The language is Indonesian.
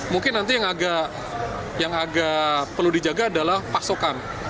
mungkin nanti yang agak perlu dijaga adalah pasokan